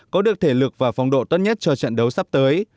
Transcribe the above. có được thể lực và phong độ tốt nhất cho trận đấu sắp tới